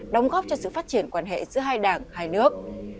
đóng góp cho sự phát triển quan hệ giữa hai đảng hai nước